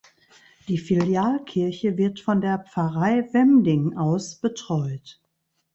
Die Filialkirche wird von der Pfarrei Wemding aus betreut.